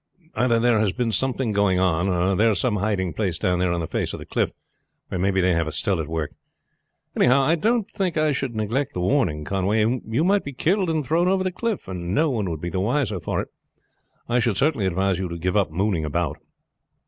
Either there has been something going on, or there is some hiding place down there on the face of the cliff, where maybe they have a still at work. Anyhow, I don't think I should neglect the warning, Conway. You might be killed and thrown over the cliff, and no one be the wiser for it. I should certainly advise you to give up mooning about."